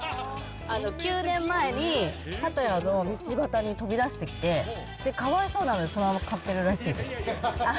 ９年前にパタヤの道端に飛び出してきて、かわいそうなので、そのまま飼っているらしいです。